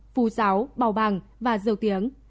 phù giáo bào bằng và dầu tiếng